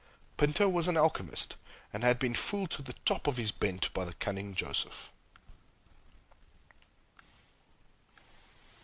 Pinto was an alchymist, and had been fooled to the top of his bent by the cunning Joseph.